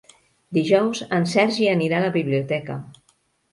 Dijous en Sergi anirà a la biblioteca.